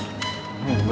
engga kenapa tau gua